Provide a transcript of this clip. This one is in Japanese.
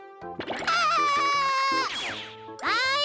はい？